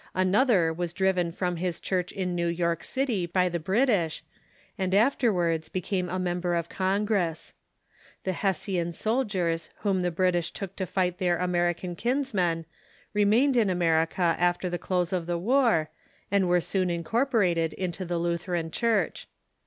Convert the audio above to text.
Another was driven from his church in New York City by the British, and afterwards became a member of Con gress. The Hessian soldiers whom the British took to fight their American kinsmen remained in America after the close of the war, and were soon incorporated into the Lutheran Church.